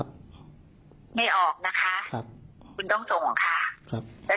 ไม่ออกนะคะ